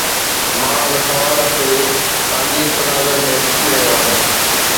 مان ان سوال کي ساڳئي تناظر ۾ ڏسي رهيو آهيان.